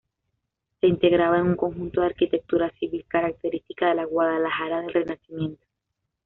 Se integraba en un conjunto de arquitectura civil característica de la Guadalajara del Renacimiento.